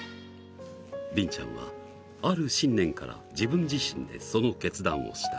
りんちゃんは、ある信念から自分自身でその決断を出した。